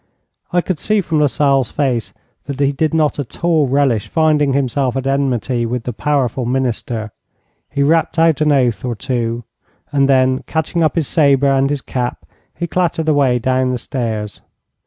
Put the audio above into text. I could see from Lasalle's face that he did not at all relish finding himself at enmity with the powerful Minister. He rapped out an oath or two, and then, catching up his sabre and his cap, he clattered away down the stairs.